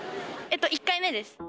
１回目です。